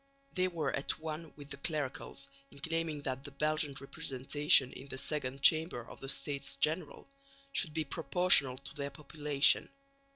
They were at one with the clericals in claiming that the Belgian representation in the Second Chamber of the States General should be proportional to their population.